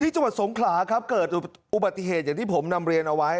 จังหวัดสงขลาครับเกิดอุบัติเหตุอย่างที่ผมนำเรียนเอาไว้